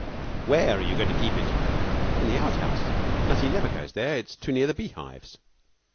'Where are you going to keep it?' 'In the outhouse. Nutty never goes there, it's too near the bee hives.'